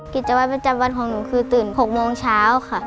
กิจวัตรประจำวันของหนูคือตื่น๖โมงเช้าค่ะ